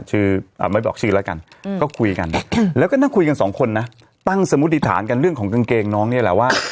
ชื่อไม่บอกชื่อแล้วกันก็คุยกันแล้วก็นั่งคุยกันสองคนนะตั้งสมุติฐานกันเรื่องของกางเกงน้องนี่แหละว่า